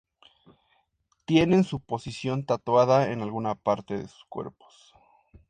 Tienen su posición tatuada en alguna parte en sus cuerpos.